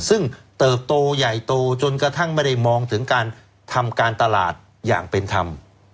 ซึ่งเติบโตใหญ่โตจนกระทั่งไม่ได้มองถึงการทำการตลาดอย่างเป็นธรรม